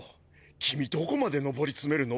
君どこまで昇りつめるの！？